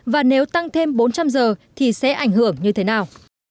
và nếu tăng thêm bốn trăm linh giờ thì sẽ ảnh hưởng như thế nào